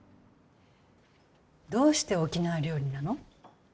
どうして沖縄料理なの？